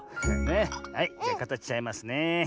はいじゃかたしちゃいますねえ。